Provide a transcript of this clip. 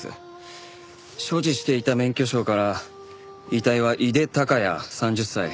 所持していた免許証から遺体は井手孝也３０歳。